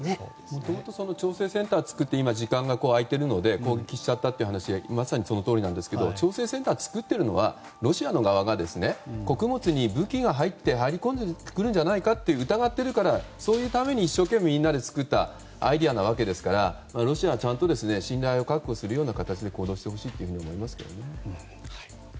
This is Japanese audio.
もともと調整センターを作って時間が空いているので攻撃しちゃったという話はまさにそのとおりなんですが調整センターを作っているのはロシアの側が穀物に武器が入り込んでくるんじゃないかと疑っているからそういうために一生懸命みんなで作ったアイデアなわけですからロシアは信頼を確保する形で行動してほしいと思います。